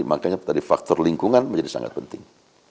makanya tadi faktor lingkungan menjadi sangat penting